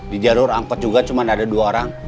di jalur angkot juga cuma ada dua orang